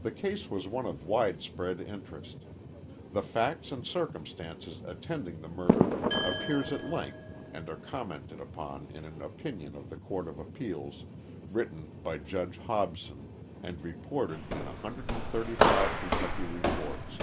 The case was one of widespread interest. The facts and circumstances attending the murder appear at length and are commented upon in an opinion of the Court of Appeals, written by Judge Hobson, and reported in 135 Kentucky Reports.